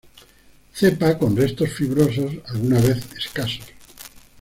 Cepa con restos fibrosos, alguna vez escasos.